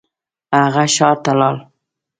هغه ښار ته لاړ.